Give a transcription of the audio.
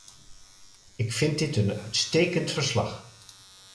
Ik vind dit een uitstekend verslag.